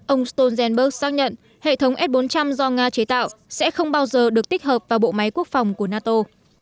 ông stoltenberg xác nhận hệ thống s bốn trăm linh do nga chế tạo sẽ không bao giờ được tích hợp vào bộ máy quốc phòng của nato